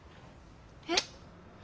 えっ？